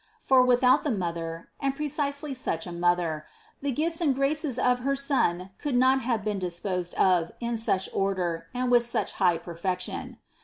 For without the Mother, and precisely such a Mother, the gifts and graces of her Son could not have been disposed of in such order and with such high per fection.